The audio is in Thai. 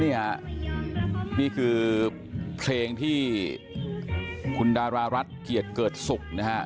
นี่คือเพลงที่คุณดารารัฐเกียรติเกิดศุกร์นะฮะ